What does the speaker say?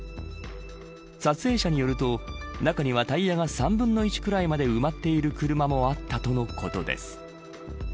撮影者によると、中にはタイヤが３分の１くらいまで埋まっている車もあったとのことです。